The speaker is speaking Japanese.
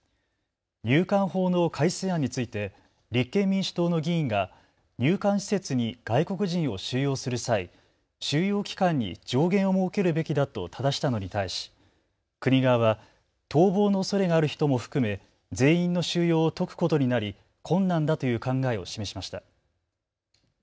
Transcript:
入管法の改正案について立憲民主党の議員が入管施設に外国人を収容する際、収容期間に上限を設けるべきだとただしたのに対し、国側は逃亡のおそれがある人も含め全員の収容を解くことになり困難だという考えを示しました。